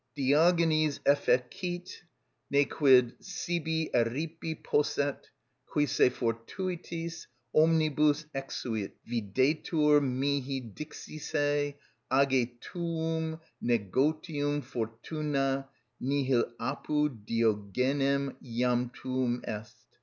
Diogenes effecit, ne quid sibi eripi posset, ... qui se fortuitis omnibus exuit.... Videtur mihi dixisse; age tuum negotium, fortuna: nihil apud Diogenem jam tuum est.